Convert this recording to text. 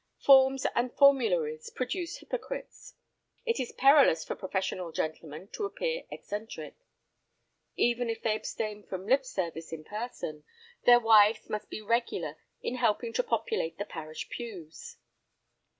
Forms and formularies produce hypocrites. It is perilous for professional gentlemen to appear eccentric. Even if they abstain from lip service in person, their wives must be regular in helping to populate the parish pews.